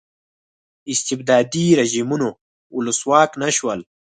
استبدادي رژیمونو ولسواک نه شول.